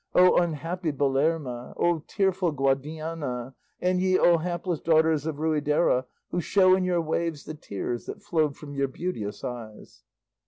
O unhappy Belerma! O tearful Guadiana, and ye O hapless daughters of Ruidera who show in your waves the tears that flowed from your beauteous eyes!"